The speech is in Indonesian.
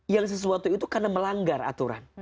yang sesuatu itu karena melanggar aturan